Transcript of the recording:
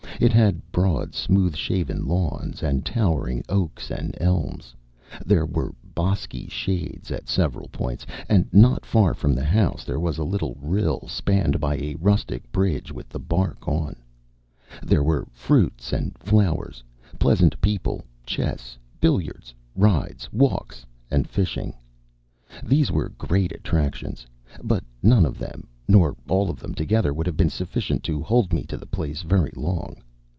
It had broad, smooth shaven lawns and towering oaks and elms; there were bosky shades at several points, and not far from the house there was a little rill spanned by a rustic bridge with the bark on; there were fruits and flowers, pleasant people, chess, billiards, rides, walks, and fishing. These were great attractions; but none of them, nor all of them together, would have been sufficient to hold me to the place very long.